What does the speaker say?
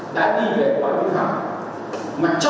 đại diện cho các bị hại đã đề nghị y án sơ thẩm sáu bị cáo